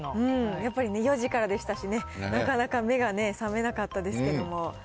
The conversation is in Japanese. やっぱり４時からでしたからね、なかなか目が、覚めなかったですけれども。